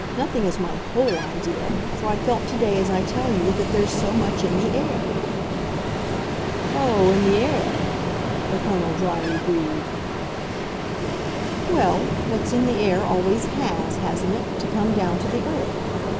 Nothing is my 'whole' idea for I felt to day, as I tell you, that there's so much in the air." "Oh, in the air !" the Colonel dryly breathed. "Well, what's in the air always HAS hasn't it? to come down to the earth.